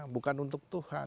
bukan untuk tuhan